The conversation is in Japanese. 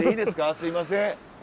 すいません。